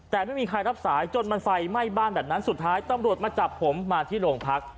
แต่ไม่มีใครรับสายจนมันไฟไหม้บ้านแบบนั้นสุดท้ายตำรวจมาจับผมมาที่โรงพัก